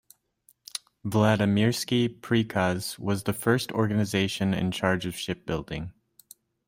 Vladimirsky Prikaz was the first organization in charge of shipbuilding.